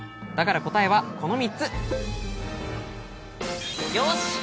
だから答えはこの３つ。